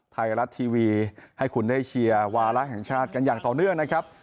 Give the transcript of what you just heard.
ไทยรัฐทีวีให้คุณได้เชียร์วาระแห่งชาติกันอย่างต่อเนื่องนะครับ